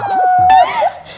wow go susah gini